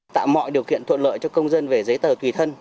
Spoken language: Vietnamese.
tạo mọi điều kiện thuận lợi cho công dân về giấy tờ tùy thân